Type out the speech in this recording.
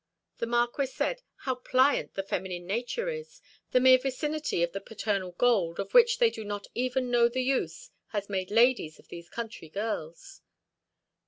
The Marquis said: "How pliant the feminine nature is! The mere vicinity of the paternal gold, of which they do not even know the use, has made ladies of these country girls."